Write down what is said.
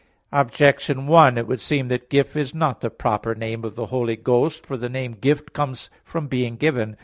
Objection 1: It would seem that Gift is not the proper name of the Holy Ghost. For the name Gift comes from being given.